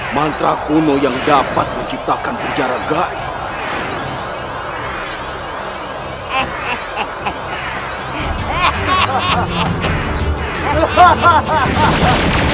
mantra kuno yang dapat menciptakan penjara gaia